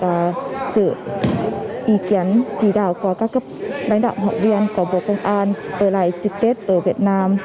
và sự ý kiến chỉ đạo của các cấp đáng đạo học viện của bộ công an ở lại trực tế ở việt nam